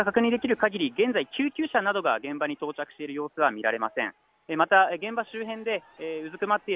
私が確認できるかぎり現在、救急車などが現場に到着している様子は見られません。